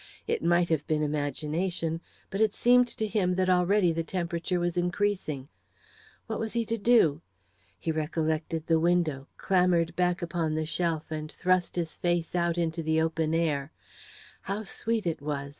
It might have been imagination, but it seemed to him that already the temperature was increasing. What was he to do? He recollected the window clambered back upon the shelf, and thrust his face out into the open air. How sweet it was!